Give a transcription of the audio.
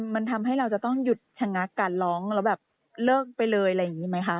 มันทำให้เราจะต้องหยุดชะงักการร้องแล้วแบบเลิกไปเลยอะไรอย่างนี้ไหมคะ